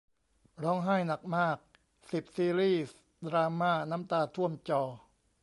ร้องไห้หนักมาก สิบ ซีรีส์ดราม่าน้ำตาท่วมจอ